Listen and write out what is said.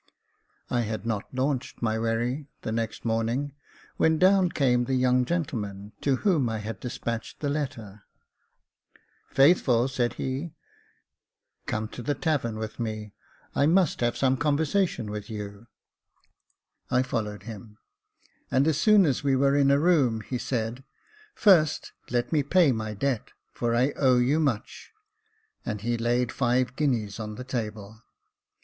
I had not launched my wherry the next morning, when down came the young gentleman to whom I had despatched the letter. " Faithful," said he, *' come to ;^^2 Jacob Faithful the tavern with me ; I must have some conversation with you." I followed him ; and as soon as we were in a room, he said, First let me pay my debt, for I owe you much;" and he laid five guineas on the table.